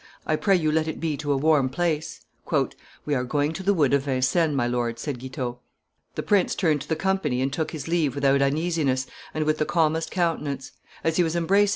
I pray you let it be to a warm place." "We are going to the wood of Vincennes, my lord," said Guitaut. The prince turned to the company and took his leave without uneasiness and with the calmest countenance: as he was embracing M.